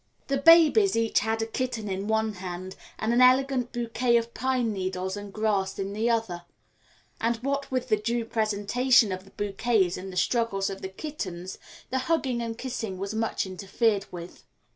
The babies each had a kitten in one hand and an elegant bouquet of pine needles and grass in the other, and what with the due presentation of the bouquets and the struggles of the kittens, the hugging and kissing was much interfered with.